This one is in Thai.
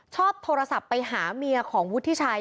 โทรศัพท์ไปหาเมียของวุฒิชัย